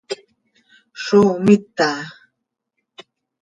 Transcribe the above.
¿Zó mita?